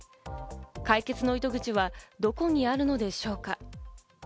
解決の糸口はどこにあるのでしょうか？